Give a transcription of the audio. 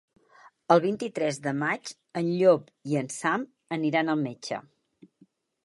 El vint-i-tres de maig en Llop i en Sam aniran al metge.